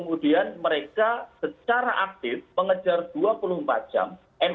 kemudian mereka secara aktif mengejar dua puluh empat jam